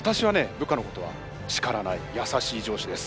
部下のことは叱らない優しい上司です。